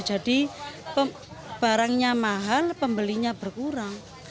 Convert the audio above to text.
jadi barangnya mahal pembelinya berkurang